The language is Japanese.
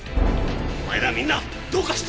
お前らみんなどうかしてるんだ！